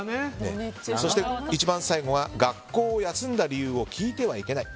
そして一番最後学校を休んだ理由を聞いてはいけない。